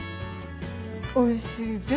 おいしいぜ。